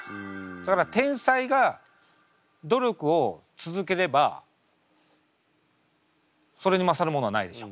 だから天才が努力を続ければそれに勝るものはないでしょ。